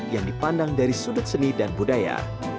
yang dipandang dari sudut seni dan budaya